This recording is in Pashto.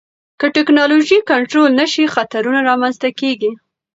که ټکنالوژي کنټرول نشي، خطرونه رامنځته کېږي.